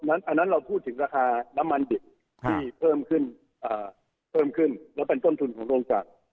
อันนั้นเราพูดถึงราคาน้ำมันเด็กที่เพิ่มขึ้นแล้วเป็นต้นทุนของโรงการ